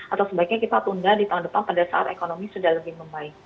atau sebaiknya kita tunda di tahun depan pada saat ekonomi sudah lebih membaik